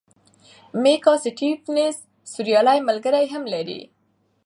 میکا سټیفنز سوریایي ملګری هم لري.